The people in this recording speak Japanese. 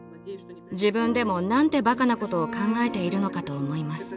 自分でも何てバカなことを考えているのかと思います。